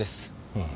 うん。